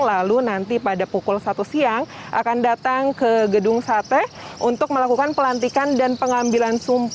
lalu nanti pada pukul satu siang akan datang ke gedung sate untuk melakukan pelantikan dan pengambilan